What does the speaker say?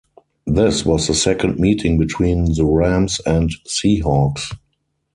This was the second meeting between the Rams and Seahawks.